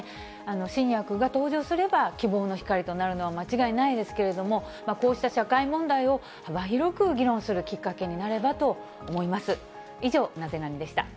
新薬が登場すれば、希望の光となるのは間違いないですけれども、こうした社会問題を幅広く議論するきっかけになればと思います。